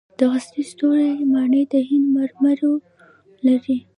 د غزني ستوري ماڼۍ د هند مرمرو لري